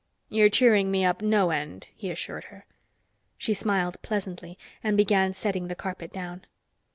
"You're cheering me up no end," he assured her. She smiled pleasantly and began setting the carpet down.